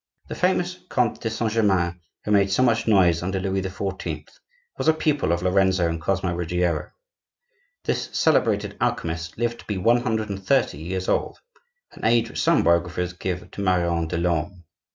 The famous Comte de Saint Germain, who made so much noise under Louis XIV., was a pupil of Lorenzo and Cosmo Ruggiero. This celebrated alchemist lived to be one hundred and thirty years old,—an age which some biographers give to Marion de Lorme.